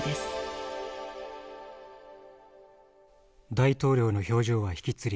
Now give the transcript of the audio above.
「大統領の表情はひきつり